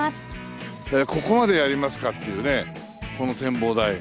ここまでやりますかっていうねこの展望台。